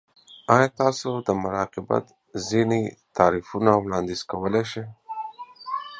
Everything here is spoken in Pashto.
ایا تاسو د مراقبت ځینې تمرینونه وړاندیز کولی شئ؟